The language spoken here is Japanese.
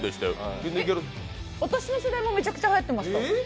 私の世代もめちゃくちゃはやってました。